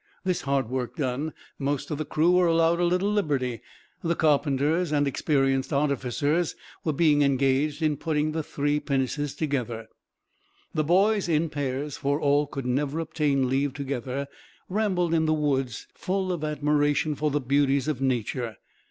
This hard work done, most of the crew were allowed a little liberty; the carpenters, and experienced artificers, being engaged in putting the three pinnaces together. The boys, in pairs, for all could never obtain leave together, rambled in the woods, full of admiration for the beauties of nature.